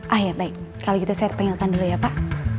ah ya baik kalau gitu saya panggilkan dulu ya pak